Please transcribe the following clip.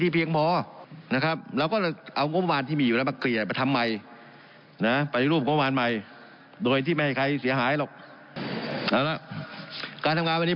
เพราะผมทำงานทางการเมือง